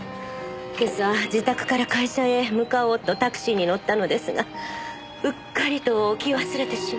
今朝自宅から会社へ向かおうとタクシーに乗ったのですがうっかりと置き忘れてしまって。